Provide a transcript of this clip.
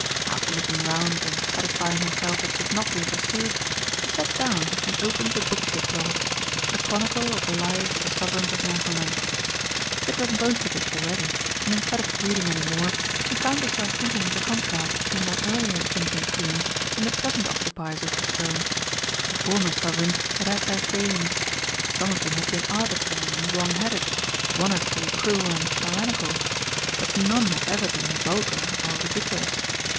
After looking round and satisfying herself that she had not been pursued, she sat down and opened the book she had brought a chronicle of the lives of the Sovereigns of Märchenland. She had read most of it already, and instead of reading any more, she found herself thinking of the contrast between their earlier Kings and Queens and the present occupiers of the throne. The former Sovereigns had had their failings; some of them had been arbitrary and wrong headed, one or two cruel and tyrannical. But none had ever been vulgar or ridiculous.